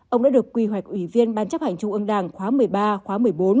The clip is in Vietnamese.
ông đã được quy hoạch ủy viên ban chấp hành trung ương đảng khóa một mươi ba khóa một mươi bốn